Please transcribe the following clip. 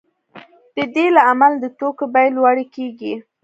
د دې له امله د توکو بیې لوړې کیږي